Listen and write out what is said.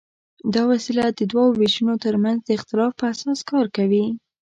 دا وسیله د دوو وېشونو تر منځ د اختلاف په اساس کار کوي.